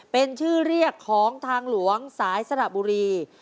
เป็นชื่อเรียกของทางหลวงสายสระบุรี